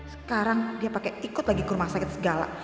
sekarang dia pakai ikut lagi ke rumah sakit segala